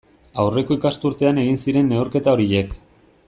Aurreko ikasturtean egin ziren neurketa horiek.